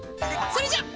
それじゃあ。